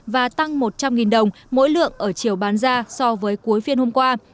và tăng một trăm linh đồng mỗi lượng ở chiều bán ra so với cuối phiên hôm qua